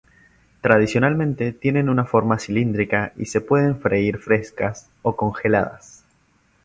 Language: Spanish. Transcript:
Tradicionalmente tienen forma cilíndrica y se pueden freír frescas o congeladas.